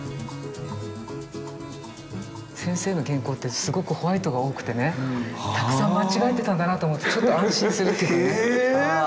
先生の原稿ってすごくホワイトが多くてねたくさん間違えてたんだなと思うとちょっと安心するっていうかね。